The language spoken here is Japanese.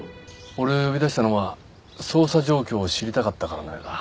俺を呼び出したのは捜査状況を知りたかったからのようだ。